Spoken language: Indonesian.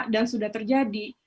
dan sudah terjadi